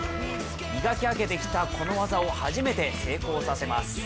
磨き上げてきたこの技を初めて成功させます。